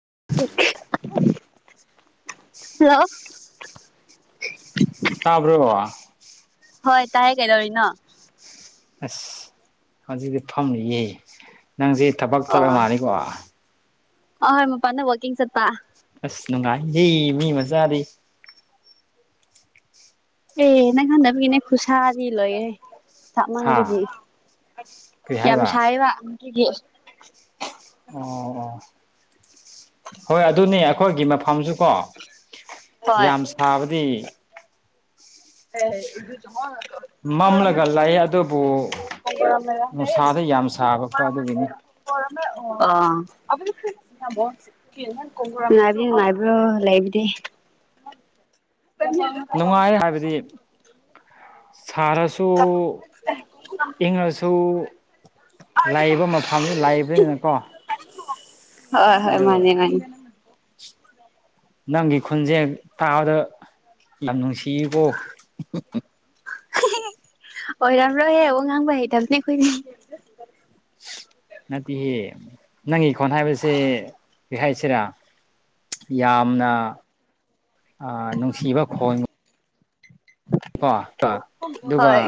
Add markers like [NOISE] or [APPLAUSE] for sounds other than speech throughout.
ꯑ ꯇꯥꯕ꯭ꯔꯣ ꯍꯣꯏ ꯇꯥꯏꯦ ꯀꯩꯗꯧꯔꯤꯅꯣ ꯑꯁ ꯍꯧꯖꯤꯛꯇꯤ ꯐꯝꯅꯤꯌꯦ ꯅꯪꯁꯦ ꯊꯕꯛ ꯆꯔ ꯃꯥꯅꯤꯀꯣ ꯑ ꯍꯣꯏ ꯃ ꯄꯥꯟꯗ ꯋꯥꯀꯤ ꯁꯠꯄ ꯑꯁ ꯅꯨꯡꯉꯥꯏꯍ ꯃꯤ ꯃꯆꯥꯥꯗꯤ ꯑꯦ ꯈꯥꯟꯗ ꯏꯅꯦ ꯈꯨꯁꯥꯗꯤ ꯂꯣꯏꯌꯦꯦ ꯍꯥ ꯊꯥꯛꯃꯥꯡꯕꯒꯤ ꯀꯔꯤ ꯌꯥꯝ ꯍꯥꯏꯕ ꯁꯥꯏꯕ ꯑꯗꯨꯒꯤ ꯑꯣ ꯑꯣ ꯍꯣꯏ ꯑꯗꯨꯅꯤ ꯑꯩꯈꯣꯏꯒꯤ ꯃꯐꯝꯁꯨ ꯀꯣ ꯍꯣꯏ ꯌꯥꯝ ꯁꯥꯕꯗꯤ ꯃꯝꯂꯒ ꯑꯦ ꯂꯩ ꯑꯗꯨꯕꯨ ꯅꯨꯡꯁꯥꯗ ꯏꯦ ꯌꯥꯝ ꯁꯥꯕꯀꯣ ꯑꯗꯨꯒꯤꯅꯤ [UNINTELLIGIBLE] ꯅꯨꯡꯉꯥꯏꯕ꯭ꯔꯣ ꯂꯩꯕꯗꯤ ꯅꯉ ꯑ ꯁꯥꯔꯁꯨ ꯏꯪꯉꯁꯨ ꯂꯥꯛꯏꯕ ꯃꯐꯝꯗꯨ ꯂꯥꯛꯏꯕꯅꯤꯅꯀꯣ ꯍꯣꯏ ꯍꯣꯏ ꯃꯥꯅꯦ ꯃꯥꯅꯦ ꯅꯪꯒꯤ ꯈꯨꯟꯁꯦ ꯇꯥꯕꯗ ꯌꯥꯝ ꯅꯨꯡꯁꯤꯀꯣ ꯑꯣꯏꯔꯝꯔꯣꯏꯍꯕ ꯉꯥꯡꯕ ꯍꯩꯇꯕꯅꯦ ꯑꯩꯈꯣꯏꯅꯦ ꯅꯪ ꯏꯈꯣꯟ ꯍꯥꯏꯕꯁꯦ ꯀꯔꯤ ꯍꯥꯏꯁꯤꯔꯥ ꯌꯥꯝꯅ ꯅꯨꯡꯁꯤꯕ ꯈꯣꯡ ꯀꯣ ꯑꯗꯨꯒ ꯍꯣꯏ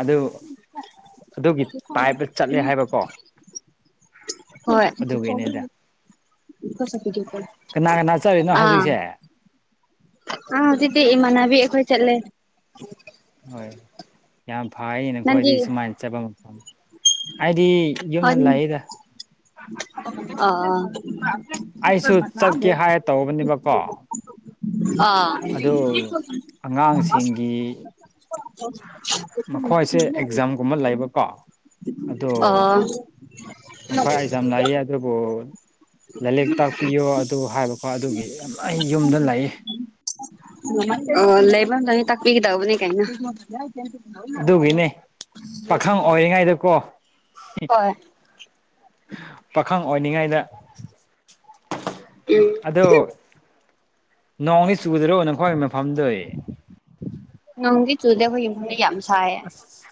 ꯑꯗꯨ ꯑꯗꯨꯒꯤ ꯇꯥꯏꯞꯇ ꯆꯠꯂꯦ ꯍꯥꯏꯕꯀꯣ ꯍꯣꯏ ꯑꯗꯨꯒꯤꯅꯤꯗ ꯀꯁ ꯐꯗꯤ ꯀꯅꯥ ꯀꯅꯥ ꯆꯠꯂꯤꯅꯣ ꯑꯥ ꯍꯧꯖꯤꯛꯁꯦ ꯑ ꯇꯤꯗꯤꯤ ꯏꯃꯥꯟꯕꯤ ꯑꯩꯈꯣꯏ ꯆꯠꯂꯦ ꯍꯣꯏ ꯌꯥꯝ ꯐꯩꯅ ꯅꯪꯗꯤ ꯈꯣꯏꯗꯤ ꯁꯨꯃꯥꯏꯅ ꯆꯠꯄ ꯃꯐꯝ ꯍ ꯌꯨꯝꯗ ꯂꯩꯗ ꯑꯣ ꯑꯩꯁꯨ ꯆꯠꯀꯦ ꯍꯥꯏꯔ ꯇꯧꯕꯅꯦꯕꯀꯣ [UNINTELLIGIBLE] ꯑꯗꯨ ꯑꯉꯥꯡꯁꯤꯡꯒꯤ ꯃꯈꯣꯏꯁꯦ ꯑꯦꯛꯖꯥꯝꯒꯨꯝꯕ ꯑꯥ ꯑ ꯑꯩꯈꯣꯏ ꯑꯩ ꯌꯥꯝ ꯂꯥꯛꯌꯦ ꯑꯗꯨꯕꯨꯣ ꯂꯥꯏꯔꯤꯛ ꯇꯥꯛꯄꯤꯌꯣ ꯑꯗꯨ ꯍꯥꯏꯕꯀꯣ ꯑꯗꯨꯒꯤ ꯌꯥꯝ ꯌꯨꯝꯗ ꯂꯏ ꯑꯣ ꯂꯩꯕ ꯇ ꯇꯥꯛ ꯄꯤ ꯀꯗꯕ ꯅ ꯀꯥꯏꯅ ꯑꯗꯨꯒꯤꯅꯦ ꯄꯥꯈꯪ ꯑꯣꯏꯔꯤꯉꯩꯗꯀꯣ ꯍꯣꯏ ꯄꯥꯈꯪ ꯑꯣꯏꯅꯤꯡꯉꯥꯏꯗ ꯑꯗꯣ ꯅꯣꯡꯅꯤ ꯆꯨꯗꯔꯣ ꯅꯈꯋꯥ ꯃꯐꯝꯗꯨ ꯒꯤ ꯆꯨꯗꯦ ꯍꯕꯗꯤ ꯌꯥꯝ ꯁꯥꯏꯌꯦ ꯑꯁ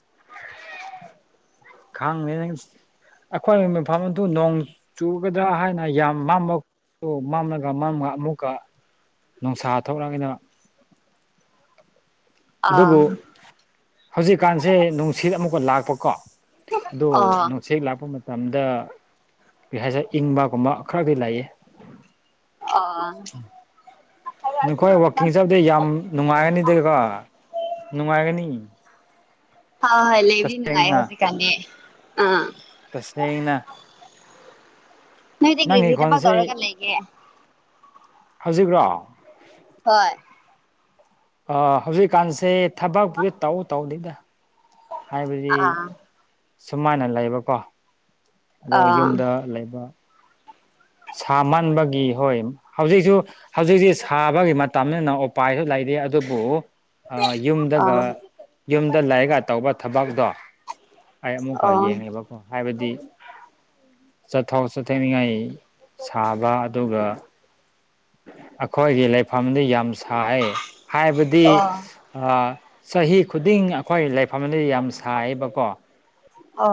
ꯀꯉ ꯑꯩꯈꯣꯏꯅ ꯃꯐꯝ ꯑꯗꯨ ꯅꯣꯡ ꯆꯨꯒꯗ꯭ꯔꯥ ꯍꯥꯏꯅ ꯌꯥꯝ ꯃꯕ ꯑꯗꯨ ꯃꯝꯂꯒ ꯃꯝꯒ ꯑꯃꯨꯛꯀ ꯅꯨꯡꯁꯥ ꯊꯣꯛꯂꯛꯅꯤꯅ ꯑꯥ ꯑꯗꯨꯕꯨ ꯍꯧꯖꯤꯛꯀꯥꯟꯁꯦ ꯅꯨꯡꯁꯤꯠ ꯑꯃꯨꯛꯀ ꯂꯥꯛꯄꯀꯣ ꯑꯗꯨꯗꯣ ꯑꯣ ꯅ ꯁꯦꯡꯒ ꯂꯥꯛꯄ ꯃ ꯃꯇꯝꯗ ꯀꯩ ꯍꯥꯏꯁꯦ ꯏꯪꯕꯒꯨꯝꯕ ꯈꯔꯗꯤ ꯂꯩꯌꯦ ꯑ ꯅꯈꯣꯏ ꯋꯥꯛꯀꯤꯡ ꯆꯠꯕꯗꯤ ꯌꯥꯝ ꯅꯨꯡꯉꯥꯏꯒꯅꯤꯗꯀꯣ ꯅꯨꯡꯉꯥꯏꯒꯅꯤ ꯍ ꯍꯣꯏ ꯂꯩꯕꯔꯤꯅꯅꯨꯡꯉ ꯍꯧ ꯇꯁꯦꯡꯅ ꯁꯤ ꯀꯅꯤ ꯑ ꯇꯁꯦꯡꯅ ꯅꯣꯏ ꯏ ꯅꯪꯒꯤ ꯔꯔꯤꯚꯗꯕ ꯗꯔꯒ ꯂꯩꯒꯦ ꯍꯧꯖꯤꯕ꯭ꯔꯣ ꯍꯣꯏ ꯑ ꯍꯧꯖꯤꯛꯀꯥꯟꯁꯦ ꯊꯕꯛꯄꯨꯗꯤ ꯇꯧꯎ ꯇꯧꯅꯤꯗ ꯍꯥꯏꯕꯗꯤ ꯑꯥ ꯁꯨꯃꯥꯏꯅ ꯂꯩꯕꯀꯣ ꯑꯗꯣ ꯑꯥ ꯑꯥ ꯌꯨꯝꯗ ꯂꯩꯕ ꯁꯥꯃꯟꯕꯒꯤ ꯍꯣꯏ ꯍꯧꯖꯤꯛꯁꯨ ꯍꯧꯖꯤꯛꯁꯤ ꯁꯥꯕꯒꯤ ꯇꯝꯃꯤꯟꯅ ꯎꯄꯥꯏꯁꯨ ꯂꯩꯔꯤ ꯑꯗꯨꯕꯨ ꯌꯨꯝꯗꯒ ꯑꯣ ꯌꯨꯝꯗ ꯂꯥꯏꯒ ꯇꯧꯕ ꯊꯕꯛꯇꯣ ꯑꯩ ꯑꯃꯨꯛꯀ ꯌꯦꯡꯉꯦꯕꯀꯣ ꯍꯥꯏꯕꯗꯤ ꯆꯠꯊꯣꯛ ꯆꯠꯊꯅꯤꯡꯉꯥꯏ ꯁꯥꯕ ꯑꯗꯨꯒ ꯑꯩꯈꯣꯏꯒꯤ ꯂꯩꯐꯝꯗꯤ ꯌꯥꯝ ꯊꯥꯏ ꯍꯥꯏꯕꯗꯤ ꯑꯣ ꯑ ꯆꯍꯤ ꯈꯨꯗꯤꯡ ꯑꯩꯈꯣꯏ ꯂꯩꯐꯝꯗ ꯌꯥꯝ ꯁꯥꯏꯌꯦꯕꯀꯣ ꯑ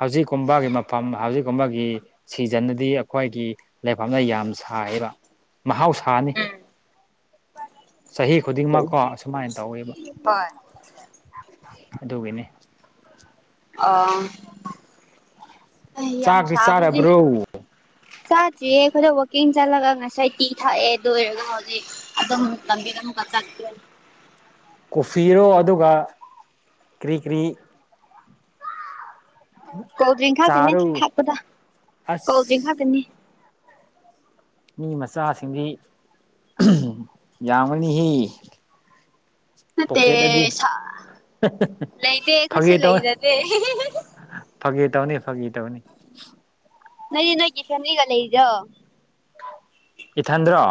ꯍꯧꯖꯤꯛꯀꯨꯝꯕꯒꯤ ꯃꯐꯝ ꯍꯧꯖꯤꯛꯀꯨꯝꯕꯒꯤ ꯁꯤꯖꯟꯗꯗꯤ ꯑꯩꯈꯣꯏꯒꯤ ꯂꯩꯐꯝꯅ ꯌꯥꯝ ꯁꯥꯏ ꯑꯣꯏꯕ ꯃꯍꯥꯎꯁꯥꯅꯤ ꯆꯍꯤ ꯈꯨꯗꯤꯡꯃꯛ ꯎꯝ ꯀꯣ ꯑꯁꯨꯃꯥꯏꯅ ꯇꯧꯋꯦꯕ ꯍꯣꯏ ꯑꯗꯨꯒꯤꯅꯤ ꯑ ꯌꯥꯝ ꯆꯥꯛꯇꯤ ꯁꯥꯕꯗꯤ ꯆꯥꯔꯕ꯭ꯔꯣ ꯆꯥꯗ꯭ꯔꯤꯌꯦ ꯑꯩꯈꯣꯏꯗ ꯋꯥꯛꯀꯤꯡ ꯆꯠꯂꯒ ꯉꯁꯥꯏ ꯇꯤ ꯊꯥꯛꯑꯦ ꯂꯣꯏꯔꯒ ꯍꯧꯖꯤꯛ ꯑꯗꯨꯝꯕꯤ ꯀ ꯆ [UNINTELLIGIBLE] ꯀꯣꯐꯤꯔꯣ ꯑꯗꯨꯒ ꯀꯔꯤ ꯀꯔꯤ ꯀꯣꯜ ꯗ꯭ꯔꯤꯀ ꯀꯅꯤ ꯆꯥꯔꯨ ꯊꯄꯗ ꯀꯣꯜ ꯗ꯭ꯔꯔꯤꯀ ꯑꯁ ꯍꯥ ꯀꯅꯤ ꯃꯤ ꯃꯆꯥꯁꯤꯡꯗꯤ ꯌꯥꯝꯒꯅꯤꯍ ꯄꯣꯀꯦꯠꯇꯗꯤ ꯃꯦꯁ ꯂꯩꯅꯦ ꯀꯁꯨ ꯐꯥꯒꯤ ꯇꯧꯅꯤ ꯂꯩꯗꯗ ꯐꯥꯒꯤ ꯇꯧꯅꯤ ꯐꯥꯒꯤ ꯇꯧꯅꯤ ꯅꯅꯤ ꯅꯒꯤ ꯐꯃꯤꯂꯤꯒꯂ ꯏꯗꯣ ꯏꯊꯟꯗ꯭ꯔꯣ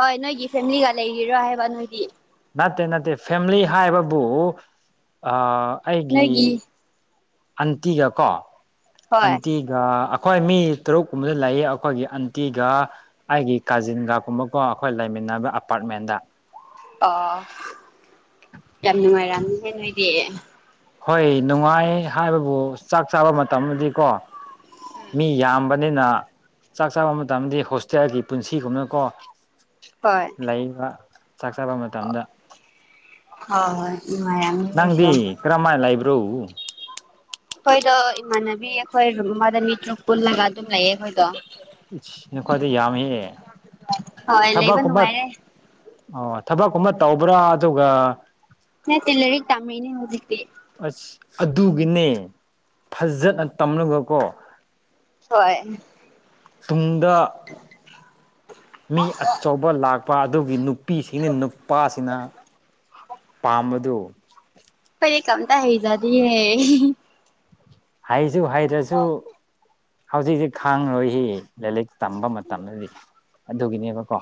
ꯍꯣꯏ ꯅꯣꯏꯒꯤ ꯐꯦꯃꯤꯂꯤꯒ ꯂꯩꯔꯤꯔꯣꯏ ꯍꯥꯏꯕ ꯅꯣꯏꯒꯤ ꯅꯠꯇꯦ ꯅꯠꯇꯦ ꯐꯦꯂꯤ ꯍꯥꯏꯕꯕꯨ ꯑꯩꯒꯤ ꯅꯣꯏꯒꯤ ꯑꯟꯇꯤꯒ ꯀꯣ ꯍꯣꯏ ꯑꯇꯤꯒ ꯑꯩꯈꯣꯏ ꯃꯤ ꯇꯔꯨꯛ ꯀꯨꯝꯕꯗ ꯂꯩꯌꯦ ꯑꯩꯈꯣꯏꯒꯤ ꯑꯟꯇꯤꯒ ꯑꯩꯒꯤ ꯀꯥꯖꯤꯟꯒ ꯀꯨꯝꯕꯀꯣ ꯑꯩꯈꯣꯏ ꯂꯩꯃꯤꯟꯅ ꯅꯕ ꯑꯄꯥꯔꯠꯃꯦꯟꯗ ꯑꯣ ꯌꯥꯝ ꯅꯨꯡꯉꯥꯏꯔ ꯌꯥꯝ ꯅꯨꯡꯉꯥꯏꯅꯣꯏꯗꯤ ꯍꯣꯏ ꯅꯨꯡꯉꯥꯏ ꯍꯥꯏꯕꯕꯨ ꯆꯥꯛ ꯆꯥꯕ ꯃꯇꯝꯗꯤꯀꯣ ꯃꯤ ꯌꯥꯝꯕ ꯑꯅ ꯆꯥꯛ ꯆꯥꯕ ꯃꯇꯝꯗꯤ ꯍꯣꯁꯇꯦꯜꯒꯤ ꯄꯨꯟꯁꯤꯒꯨꯝꯅꯀꯣ ꯍꯣꯏ ꯂꯩꯕ ꯆꯥꯛ ꯆꯥꯕ ꯃꯇꯝꯗ ꯍꯣꯏ ꯍꯣꯏ ꯅꯨꯡꯉꯥꯏꯔꯝꯅꯤ ꯅꯣꯏꯁꯨ ꯅꯪꯗꯤ ꯀꯔꯃꯥꯏꯂ ꯏꯕ꯭ꯔꯣ ꯑꯩꯈꯣꯏꯗꯣ ꯏꯃꯥꯟꯅꯕꯤ ꯑꯩꯈꯣꯏ ꯑꯃꯗ ꯃꯤ ꯇꯔꯨꯛ ꯄꯨꯜꯂꯒ ꯑꯗꯨꯝ ꯂꯩꯌꯦ ꯑꯩꯈꯣꯏꯗꯣ ꯅꯈꯣꯏꯋꯥꯗ ꯌꯥꯝ ꯍꯦꯛꯑꯦ ꯍꯣꯏ ꯊꯕꯛ ꯂꯩꯕ ꯈꯨꯨꯝꯕ ꯅꯨꯡꯉꯥꯏꯔꯦ ꯑꯣ ꯊꯕꯛꯀꯨꯝꯕ ꯇꯧꯕ꯭ꯔꯥ ꯑꯗꯨꯒ ꯅ ꯇꯤꯜꯦꯜ ꯇꯃꯦꯅꯦ ꯍꯧꯖꯤꯛꯇꯦ ꯑꯁ ꯑꯗꯨꯒꯤꯅꯦ ꯐꯖꯅ ꯇꯝꯂꯒꯀꯣ ꯍꯣꯏ ꯇꯨꯡꯗ ꯃꯤ ꯑꯆꯧꯕ ꯂꯥꯛꯄ ꯑꯗꯨꯒꯤ ꯅꯨꯄꯤꯁꯤꯅ ꯅꯨꯄꯥꯁꯤꯅ ꯄꯥꯝꯕꯗꯨ ꯐꯦ ꯀꯝ ꯇ ꯍ ꯏꯖꯥꯗꯤ ꯍꯩꯁꯨ ꯍꯩꯗ꯭ꯔꯁꯨ ꯍꯧꯖꯤꯛꯖꯤꯛ ꯈꯥꯡꯉꯣꯏꯁꯤ ꯂꯥꯏꯔꯤꯛ ꯇꯝꯕ ꯃꯇꯝꯗꯗꯤ ꯑꯗꯨꯒꯤꯅꯦꯕꯀꯣ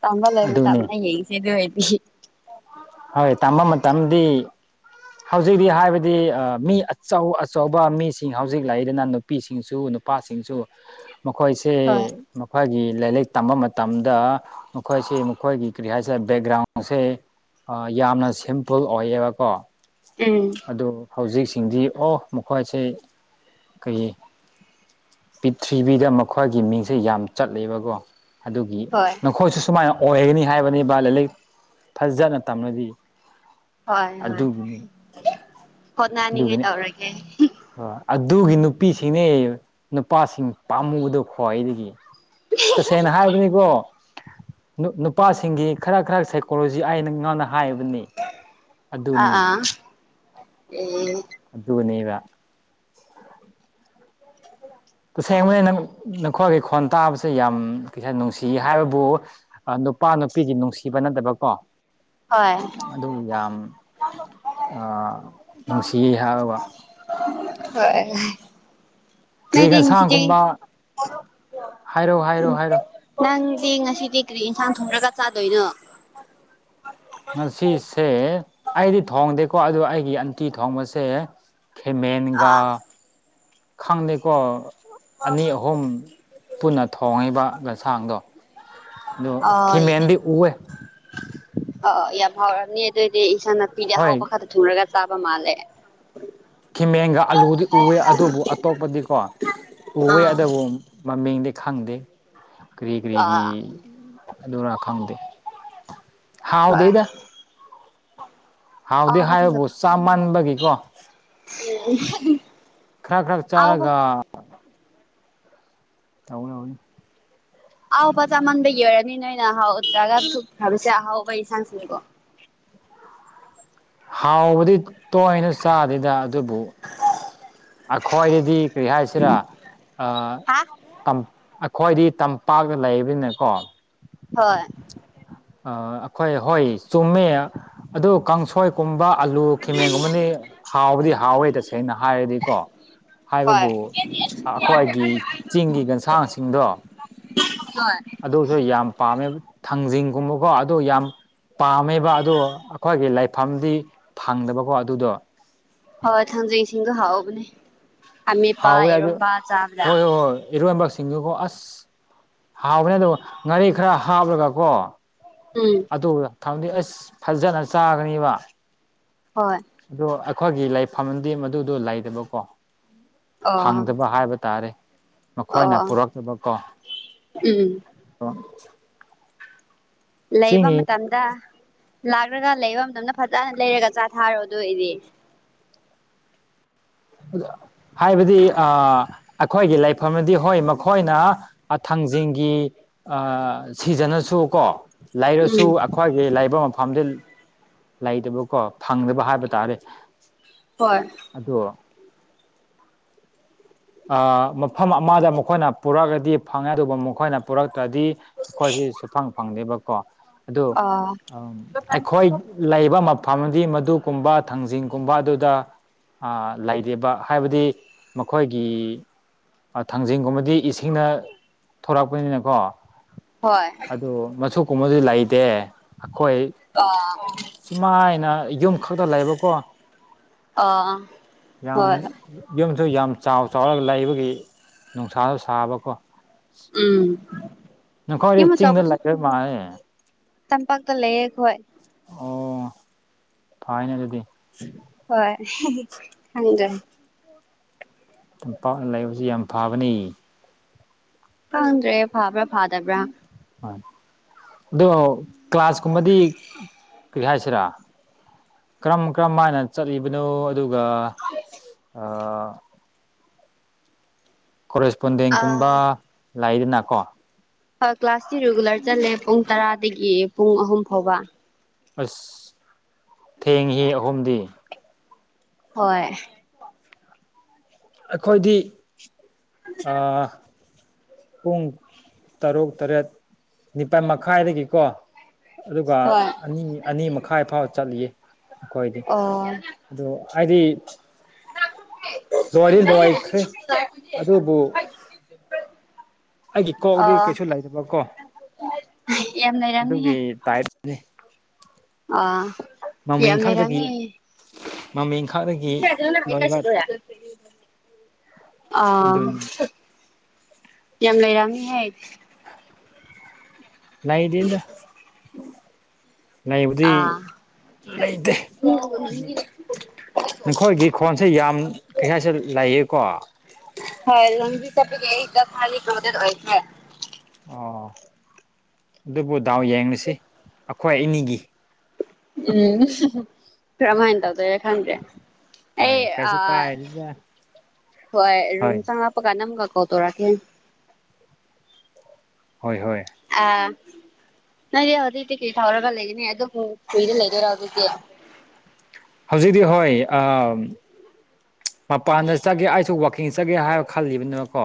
ꯇꯝꯕ ꯂꯣꯏꯕ ꯑꯗꯨꯅꯤ ꯇꯝꯅ ꯌꯦꯡꯁꯦ ꯑꯗꯨ ꯑꯣꯏꯗꯤ ꯍꯣꯏ ꯇꯝꯕ ꯃꯇꯝꯗꯤ ꯍꯧꯖꯤꯛꯇꯤ ꯍꯥꯏꯕꯗꯤ ꯃꯤ ꯑꯆꯧ ꯑꯆꯧꯕ ꯃꯤꯁꯤꯡ ꯍꯧꯖꯤꯛ ꯂꯥꯛꯏꯗꯅ ꯅꯨꯄꯤꯁꯤꯡꯁꯨ ꯅꯨꯄꯥꯁꯤꯡꯁꯨ ꯃꯈꯣꯏꯁꯦ ꯍꯣꯏ ꯃꯈꯣꯏꯒꯤ ꯂꯥꯏꯔꯤꯛ ꯇꯝꯕ ꯃꯇꯝꯗ ꯃꯈꯣꯏꯁꯤ ꯃꯈꯣꯏꯒꯤ ꯀꯔꯤ ꯍꯥꯏꯁꯦ ꯕꯦꯛꯒ꯭ꯔꯥꯎꯟꯁꯦ ꯌꯥꯝꯅ ꯁꯤꯝꯄꯜ ꯑꯣꯏꯌꯦꯕꯀꯣ ꯎꯝ ꯑꯗꯨ ꯍꯧꯖꯤꯛꯁꯤꯡꯗꯤ ꯑꯣ ꯃꯈꯣꯏꯁꯦ ꯀꯩ ꯄꯤꯔꯤꯊꯤꯕꯤꯗ ꯃꯈꯣꯏꯒꯤ ꯃꯤꯡꯁꯦ ꯌꯥꯝ ꯆꯠꯂꯦꯕꯀꯣ ꯑꯗꯨꯒꯤ ꯍꯣꯏ ꯅꯈꯣꯏꯁꯨ ꯁꯨꯃꯥꯏꯅ ꯑꯣꯏꯒꯅꯤ ꯍꯥꯏꯕꯅꯦꯕ ꯂꯥꯏꯔꯤꯛ ꯐꯖꯅ ꯇꯝꯂꯗꯤ ꯍꯣꯏ ꯍꯣꯏ ꯑꯗꯨꯒꯤꯅꯤ ꯍꯣꯠꯅꯅꯤꯡꯉꯥꯏ ꯑꯗꯨꯒꯤꯅꯤ ꯇꯧꯔꯒꯦ ꯑꯗꯨꯒꯤ ꯅꯨꯄꯤꯁꯤꯡꯅꯦ ꯅꯨꯄꯥꯁꯤꯡ ꯄꯥꯝꯃꯨꯕꯗꯣ ꯈ꯭ꯋꯥꯏꯗꯒꯤ ꯇꯁꯦꯡꯅ ꯍꯥꯏꯕꯅꯤꯀꯣ ꯅꯨꯄꯥꯁꯤꯡꯒꯤ ꯈꯔ ꯈꯔ ꯁꯥꯏꯀꯣꯂꯣꯖꯤ ꯑꯩꯅꯉꯅ ꯍꯥꯏꯕꯅꯤ ꯑꯗꯨꯅꯤ ꯎ ꯑꯗꯨꯠꯇꯅꯕ ꯇꯁꯉꯩꯅ ꯅꯈꯣꯏꯒꯤ ꯈꯣꯟ ꯇꯥꯕꯁꯦ ꯌꯥꯝ ꯀꯩꯁꯥ ꯅꯨꯡꯁꯤ ꯍꯥꯏꯕꯕꯨ ꯅꯨꯄꯥ ꯅꯨꯄꯤꯒꯤ ꯅꯨꯡꯁꯤꯕ ꯅꯠꯇꯕ ꯀꯣ ꯑꯦ ꯍꯣꯏ ꯑꯗꯨ ꯌꯥꯝ ꯅꯨꯡꯁꯤꯩ ꯍꯥꯏꯔꯕ ꯅꯗꯤꯁꯤꯗꯤ ꯍꯥꯏꯔꯣ ꯍꯥꯏꯔꯣ ꯍꯥꯏꯔꯣ ꯅꯪ ꯗꯤ ꯉꯁꯤꯗꯤ ꯀꯔꯤ ꯌꯦꯟꯁꯥꯡ ꯊꯣꯡꯔꯒ ꯆꯥꯗꯣꯏꯅꯣ ꯉꯁꯤꯁꯦ ꯑꯩꯗꯤ ꯊꯣꯡꯗꯦꯀꯣ ꯑꯗꯨ ꯑꯩꯒꯤ ꯑꯟꯇꯤ ꯊꯣꯡꯕꯁꯦ ꯈꯦꯃꯦꯟꯒꯥ ꯑꯥ ꯈꯪꯗꯦꯀꯣ ꯑꯅꯤ ꯑꯍꯨꯝ ꯄꯨꯟꯅ ꯊꯣꯡꯉꯤꯕ ꯌꯦꯟꯁꯥꯡꯗꯣ꯫ ꯑꯗꯨ ꯑꯣꯏ ꯈꯤꯃꯦꯟꯗꯤ ꯎꯋꯦ꯫ ꯍꯥꯎꯔꯅꯤ ꯑꯗꯨꯏꯗꯤ ꯏꯟꯁꯥꯡ ꯅꯥꯄꯤꯗꯤ ꯍꯣꯏ ꯑꯍꯥꯎꯕ ꯈꯔꯛꯇ ꯊꯨꯡꯔꯒ ꯆꯥꯕ ꯃꯥꯜꯂꯦ꯫ ꯈꯤꯃꯦꯟꯒ ꯑꯂꯨꯗꯤ ꯎꯑꯦ ꯑꯗꯨꯕꯨ ꯑꯇꯣꯞꯄꯗꯤꯀꯣ ꯎꯋꯦ ꯑꯥ ꯑꯗꯕꯨ ꯃꯃꯤꯡꯗꯤ ꯈꯪꯗꯦ ꯀꯔꯤ ꯀꯔꯤꯒꯤ ꯑꯥ ꯑꯗꯨꯔ ꯈꯗꯦ ꯍꯣꯏ ꯍꯥꯎꯗꯦꯗ꯫ ꯍꯥꯎꯗꯤ ꯑꯍꯥꯎꯕ ꯍꯥꯏꯕꯕꯨ ꯈꯛꯇ ꯆꯥꯃꯟꯕꯒꯤꯀꯣ꯫ [UNINTELLIGIBLE] ꯈꯔ ꯈꯔ ꯑꯍꯥꯎꯕ ꯆꯥꯔꯒ ꯍꯧꯅꯤ-ꯍꯧꯅꯤ꯫ ꯑꯍꯥꯎꯕ ꯆꯥꯃꯟꯕꯒꯤ ꯑꫭꯏꯔꯅꯤ ꯅꯣꯏꯅ ꯑꯍꯥꯎꯗ꯭ꯔꯥꯒꯨꯞꯈꯕꯁꯦ ꯑꯍꯥꯎꯕꯒꯤ ꯌꯦꯡꯁꯥꯡꯁꯤꯡꯗꫭ꯫ ꯍꯥꯎꯕꯗꯤ ꯇꯣꯏꯅ ꯆꯥꯗꯦꯗ ꯑꯗꯨꯕꯨ ꯑꯩꯈ꯭ꯣꯏꯗꯗꯤ ꯀꯔꯤ ꯍꯥꯏꯁꯤꯔꯥ ꯑ ꯑꯩꯈꯣꯏꯗꯤ ꯇꯝꯄꯥꯛꯇ ꯂꯩꯕꯅꯤꯅꯦꯀꯣ ꯍꯣꯏ꯫ ꯑ ꯑꯩꯈꯣꯏ ꯍꯣꯏ ꯆꯨꯝꯃꯦ ꯑꯗꯨ ꯀꯥꯡꯁꯣꯏꯀꯨꯝꯕ ꯑꯂꯨ ꯈꯤꯃꯦꯟꯒꯨꯝꯕꯅꯤ ꯍꯥꯎꯕꯗꯤ ꯍꯥꯎꯋꯦ ꯇꯁꯦꯡꯅ ꯍꯥꯏꯔꯗꯤ꯫ ꯀꯣ ꯍꯣꯏ ꯍꯥꯏꯕꯕꯨ ꯑꯈꯣꯏꯒꯤ ꯆꯤꯡꯒꯤ ꯌꯦꯟꯁꯥꯡꯁꯤꯡꯗꯣ ꯑꯗꯨꯁꯨ ꯌꯥꯝ ꯄꯥꯝꯃꯦꯕ ꯊꯥꯡꯖꯤꯡꯒꯨꯝꯕꯀꯣ ꯑꯗꯨ ꯌꯥꯝ ꯄꯥꯝꯃꯦꯕ ꯑꯗꯣ ꯑꯩꯈꯣꯏꯒꯤ ꯂꯥꯏꯐꯝꯗꯤ ꯐꯪꯗꯕꯀꯣ ꯑꯗꯨꯗꯣ ꯍꯣꯏ ꯊꯥꯡꯖꯤꯡꯁꯤꯡꯗꯣ ꯍꯥꯎꯕꯅꯦ꯫ ꯑꯃꯦꯠꯄ ꯍꯥꯎꯋꯦ ꯑꯗꯨ ꯏꯔꯣꯝꯕ ꯆꯥꯕꯗ ꯍꯣꯏ ꯍꯣꯏ ꯍꯣꯏ ꯏꯔꫭꯟꯕꯁ ꯁꯤꯡꯒꯨꯀꯣ ꯑꯁ ꯍꯥꯎꯕꯅꯦ ꯑꯗꯨꯒ ꯉꯥꯔꯤ ꯈꯔ ꯍꯥꯞꯂꯒ ꯀꯣ ꯎꯝ ꯑꯗꯨ ꯊꯝꯗꯤ ꯑꯁ ꯐꯖꯅ ꯆꯥꯒꯅꯤꯕ꯫ ꯍꯣꯏ ꯑꯗꯨ ꯑꯈꯣꯏꯒꯤ ꯂꯥꯏꯐꯝꯗꯤ ꯃꯗꯨꯗꯣ ꯂꯩꯗꯕꯀꯣ꯫ ꯑꯣ ꯐꯪꯗꯕ ꯍꯥꯏꯕ ꯇꯥꯔꯦ ꯃꯈꯣꯏꯅ ꯑꯣ ꯄꯨꯔꯛꯇꯕ ꯀꯣ꯫ ꯎꯝ [UNINTELLIGIBLE] ꯂꯩꯕ ꯃꯇꯝꯗ ꯂꯥꯛꯔꯒ ꯂꯩꯕ ꯃꯇꯝꯗ ꯐꯖꯅ ꯂꯩꯔꯒ ꯆꯥꯊꯥꯔꯣ ꯑꯗꯨ ꯑꯩꯗꯤ꯫ ꯑꯗꫭ ꯍꯥꯏꯕꯗꯤ ꯑ ꯑꯩꯈꯣꯏꯒꯤ ꯂꯥꯏꯐꯝꯗꯤ ꯍꯣꯏ ꯃꯈꯣꯏꯅ ꯑ ꯊꯪ ꯖꯤꯡꯒꯤ ꯑ ꯁꯤꯖꯟꯅꯁꯨ ꯀꯣ ꯎꯝ ꯂꯩꯔꯁꯨ ꯑꯩꯈꯣꯏꯒꯤ ꯂꯥꯏꯕ ꯃꯐ ꯄꯥꯝꯗ ꯂꯩꯇꯕꯀꯣ ꯐꯪꯗꯕ ꯍꯥꯏꯕ ꯇꯥꯔꯦ꯫ ꯍꯣꯏ ꯑꯗꯣ ꯑ ꯃꯐꯝ ꯑꯃꯗ ꯃꯈꯣꯏꯅ ꯄꯨꯔꯛꯑꯗꯤ ꯐꯪꯉꯦ ꯑꯗꯨꯕꯨ ꯃꯈꯣꯏꯅ ꯄꯨꯔꯛ ꯇꯗꯤ ꯑꯩꯈꯣꯏꯁꯦ ꯁꯨꯐꯪ ꯐꯪꯗꯦꯕꯀꯣ ꯑꯗꯨ ꯑꯥ ꯑꯝ ꯑꯩꯈꯣꯏ ꯂꯩꯕ ꯃ ꯐꯝꯃꯗꯤ ꯃꯗꯨꯀꯨꯝꯕ ꯊꯥꯡꯖꯤꯡꯒꯨꯝꯕ ꯑꯗꯨꯗꯥ ꯑ ꯂꯩꯔꯤꯕ ꯍꯥꯏꯕꯗꯤ ꯃꯈꯣꯏ ꯝ ꯊꯥꯡꯖꯤꯡꯒꯨꯝꯕꯗꯤ ꯏꯁꯤꯡꯅ ꯊꯣꯔꯛꯄꯅꯤꯅꯀꯣ ꯍꯣꯏ ꯑꯗꯨ ꯃꯆꯨ ꯀꯨꯝꯕꯁꯨ ꯂꯩꯇꯦ꯫ ꯑꯈꯣꯏ ꯑꯥ ꯁꯨꯃꯥꯏꯅ ꯌꯨꯝ ꯈꯛꯇ ꯂꯩꯕꯀꯣ꯫ ꯑꯥ ꯌꯥꯝ ꯍꯣꯏ ꯌꯨꯝꯁꯨ ꯌꯥꯝ ꯆꯥꯎ ꯆꯥꯎꯔꯒ ꯂꯩꯕꯒꯤ ꯅꯨꯡꯁꯥꯗ ꯁꯥꯕꯀꯣ꯫ ꯎꯝ꯫ ꯌꯨꯝ ꯅꯪꯈꯣꯏꯗꯤ ꯆꯤꯡꯗ ꯑꯆꯧꯕ ꯂꯩꯕ ꯃꯥꯜꯂꯦꯅꯦ꯫ ꯇꯝꯄꯥꯛꯇ ꯂꯩꯌꯦꯈꯣꯏ꯫ ꯑꯣ ꯐꯥꯏꯅꯦ ꯑꯗꯨꯗꯤ꯫ ꯍꯣꯏ ꯈꯪꯗ꯭ꯔꯦ꯫ ꯇꯝꯄꯥꯛꯅ ꯂꯩꯕꯁꯤ ꯌꯥꯝ ꯐꯕꯅꯤ꯫ [UNINTELLIGIBLE] ꯐꯥꯕ꯭ꯔꯥ ꯐꯗꯕ꯭ꯔꯥ ꯑꯗꯣ ꯀ꯭ꯂꯥꯁꯀꯨꯝꯕꯗꯤ ꯀꯔꯤ ꯍꯥꯏꯁꯤꯔꯥ ꯀꯔꯝ ꯀꯔꯝ ꯍꯥꯏꯅ ꯆꯠꯂꯤꯕꯅꯣ ꯑꯗꯨꯒ ꯑ ꯑ ꯀꯣꯔꯦꯁꯄꯣꯟꯗꯦꯟꯒꯨꯝꯕ ꯂꯩꯗꯅꯀꯣ ꯀ꯭ꯂꯥꯁꯁꯤ ꯔꯤꯒꯨꯂꯔ ꯆꯜꯂꯦ ꯄꯨꯡ ꯇꯔꯥꯗꯒꯤ ꯄꯨꯡ ꯑꯍꯨꯝ ꯐꯥꯎꯕ ꯑꯁ ꯊꯦꯡꯍꯤ ꯑꯍꯨꯝꯗꯤ ꯍꯣꯏ ꯑꯩꯈꯣꯏꯗꯤ ꯄꯨꯡ ꯇꯔꯨꯛ ꯇꯔꯦꯠ ꯅꯤꯄꯥꯜ ꯃꯈꯥꯏꯗꯒꯤꯀꯣ ꯑꯗꯨꯒ ꯍꯣꯏ ꯑꯅꯤ ꯑꯅꯤ ꯃꯈꯥꯏ ꯐꯥꯎꯕ ꯆꯠꯂꯤꯌꯦ ꯑꯩꯈꯣꯏꯗꯤ ꯑꯣ ꯑꯣ ꯍꯥꯏꯗꯤ ꯂꯣꯏꯔꯤ ꯂꯥꯏꯈ꯭ꯔꯦ ꯑꯗꯨꯕꯨ ꯑꯩꯒꯤ ꯀꯣꯛꯗꯤ ꯑꯣ ꯀꯩꯁꯨ ꯂꯩꯇꯕ ꯀꯣ ꯌꯥꯝ ꯂꯩꯔꯝꯅꯤꯍꯦ ꯑꯗꯨꯒꯤ ꯇꯥꯏꯗꯤ ꯑ [UNINTELLIGIBLE] ꯃꯃꯤ ꯏꯪꯈꯥꯗꯒꯤ ꯂꯧꯔꯤꯕ ꯑꯥ ꯌꯥꯝ ꯂꯩꯔꯝꯃꯤꯍ [UNINTELLIGIBLE] ꯂꯩꯕꯨꯗꯤ ꯑꯥ ꯂꯩꯇꯦ ꯅꯈꯣꯏꯒꯤ ꯈꯣꯟꯁꯦ ꯌꯥꯝ ꯀꯩꯀꯥꯏꯁꯦ ꯂꯩꯌꯦꯀꯣ ꯍꯣꯏ ꯂꯕꯤ ꯆꯗ ꯈ ꯃ ꯑꯣꯏꯁ ꯑꯣ ꯑꯗꯨꯕꯨ ꯗꯥꯎ ꯌꯦꯡꯁꯤ ꯑꯩꯈꯣꯏ ꯑꯅꯤꯒꯤ ꯎꯝ ꯔꯃꯥꯏꯟ ꯇꯗ ꯑꯦꯈꯥꯟꯗ ꯑꯩ ꯍꯣꯏ ꯀꯩꯁꯨ ꯀꯥꯏꯗꯦꯗ ꯍꯣꯏ ꯔꯨꯝ ꯆꯪꯂꯛꯄ ꯀꯥꯟꯅꯝꯒ ꯀꯜꯂ ꯇꯧꯔꯀꯦ ꯍꯣꯏ ꯍꯣꯏ ꯑ ꯅꯪꯗꯤ ꯍꯧꯖꯤꯛꯇꯤ ꯀꯩ ꯊꯥꯎꯔꯒ ꯂꯩꯒꯅꯤ ꯑꯗꯨꯕꯨ ꯀꯨꯏꯔ ꯂꯩꯗꯣꯏꯔꯣ ꯍꯧꯖꯤꯗꯤ ꯍꯧꯖꯤꯛꯇꯤ ꯍꯣꯏ ꯑ ꯃꯄꯥꯟꯗ ꯆꯠꯒꯦ ꯑꯩꯁꯨ ꯋꯥꯛꯀꯤꯡ ꯆꯠꯒꯦ ꯍꯥꯏꯕ ꯈꯜꯂꯤꯕꯅꯤꯅꯀꯣ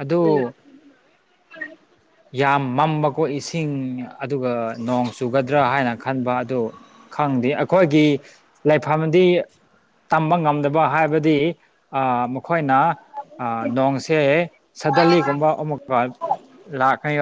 ꯑꯗꯨ ꯎꯝ ꯌꯥꯝ ꯃꯝꯕꯀꯣ ꯏꯁꯤꯡ ꯑꯗꯨꯒ ꯅꯣꯡ ꯆꯨꯒꯗ꯭ꯔꯥ ꯍꯥꯏꯅ ꯈꯟꯕ ꯑꯗꯨ ꯈꯪ ꯑꯩꯈꯣꯏꯒꯤ ꯂꯥꯏꯐꯝꯗꯤ ꯇꯝꯕ ꯉꯝꯗꯕ ꯍꯥꯏꯕꯗꯤ ꯑ ꯑꯩꯈꯣꯏꯅ ꯅꯣꯡꯁꯦ ꯁꯗꯂꯤꯒꯨꯝꯕ ꯑꯃꯨꯛꯀ ꯂꯥꯛꯀꯅꯤ